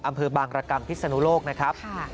อำเภอบางรกรรมพิศนุโลกนะครับ